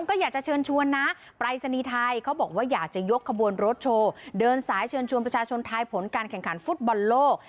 เขาบอกว่าอยากจะยกขบวนรถโชว์เดินสายเชิญชวนประชาชนทายผลการแข่งขันฟุตบอลโลกฯ